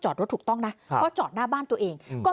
สุดทนแล้วกับเพื่อนบ้านรายนี้ที่อยู่ข้างกัน